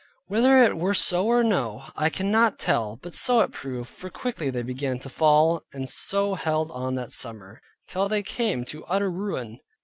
Whither it were so or no, I cannot tell, but so it proved, for quickly they began to fall, and so held on that summer, till they came to utter ruin.